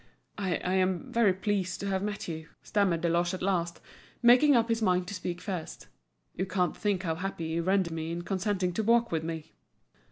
"I am very pleased to have met you," stammered Deloche at last, making up his mind to speak first "You can't think how happy you render me in consenting to walk with me."